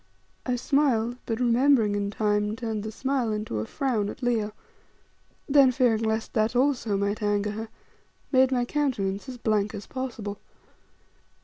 I smiled, but remembering in time, turned the smile into a frown at Leo, then fearing lest that also might anger her, made my countenance as blank as possible.